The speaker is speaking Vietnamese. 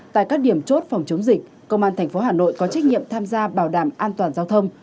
tại các điểm chốt phòng chống dịch công an tp hà nội có trách nhiệm tham gia bảo đảm an toàn giao thông